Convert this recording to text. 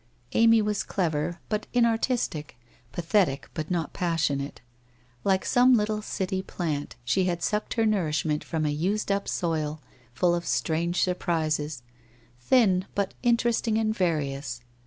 Amy was clever, but inartistic; pathetic, but not passionate. Like some little city plant, she had sucked her nourishment from a used up soil, full of strange surprises; thin, but interesting and various.